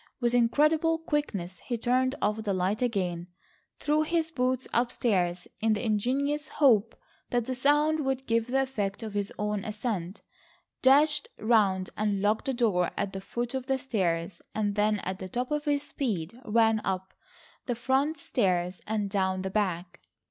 With incredible quickness he turned off the light again, threw his boots upstairs in the ingenious hope that the sound would give the effect of his own ascent, dashed round and locked the door at the foot of the stairs and then at the top of his speed ran up the front stairs and down the back.